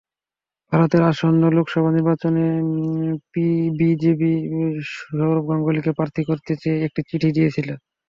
ভারতের আসন্ন লোকসভা নির্বাচনে বিজেপি সৌরভ গাঙ্গুলীকে প্রার্থী করতে চেয়ে একটি চিঠি দিয়েছিল।